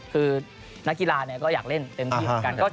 คือนักกีฬาก็อยากเล่นเต็มที่เหมือนกัน